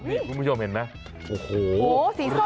นี่คุณผู้ชมเห็นมั้ยโอ้โหสีส้มเลย